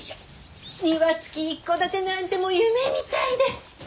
庭付き一戸建てなんてもう夢みたいで。